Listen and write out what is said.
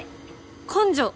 根性！